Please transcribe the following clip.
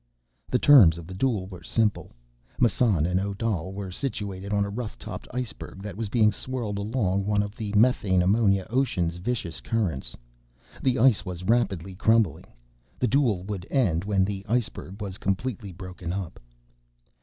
_ The terms of the duel were simple: Massan and Odal were situated on a rough topped iceberg that was being swirled along one of the methane/ammonia ocean's vicious currents. The ice was rapidly crumbling; the duel would end when the iceberg was completely broken up.